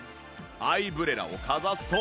アイブレラをかざすと